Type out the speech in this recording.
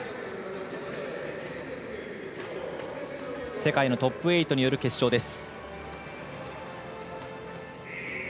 世界のトップ８による決勝です。